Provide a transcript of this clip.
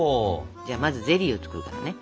じゃあまずゼリーを作るからね。